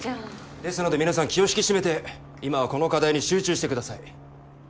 ですので皆さん気を引き締めて今はこの課題に集中してください。